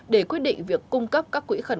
để quyết định việc cung cấp các quyết định